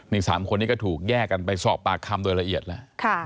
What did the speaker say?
นี่๓คนนี้ก็ถูกแยกกันไปสอบปากคำโดยละเอียดแล้ว